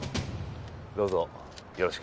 どうぞよろしく。